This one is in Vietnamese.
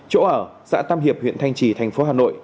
chỗ ở xã tam hiệp huyện thanh trì thành phố hà nội